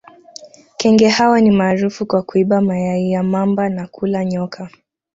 Kenge hawa ni maarufu kwa kuiba mayai ya mamba na kula nyoka